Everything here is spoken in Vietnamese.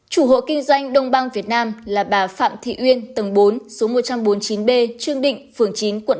chủ hộ kinh doanh đông băng việt nam là bà phạm thị uyên tầng bốn số một trăm bốn mươi chín b trương định phường chín quận tám